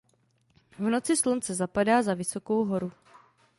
V noci Slunce zapadá za vysokou horu.